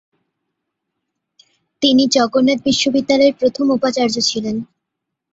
তিনি জগন্নাথ বিশ্ববিদ্যালয়ের প্রথম উপাচার্য ছিলেন।